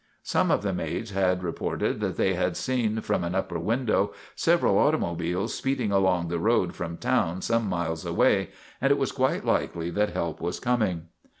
Some of the maids had reported that they had seen from an upper window several automobiles speed ing along the road from town some miles away, and it was quite likely that help was coming.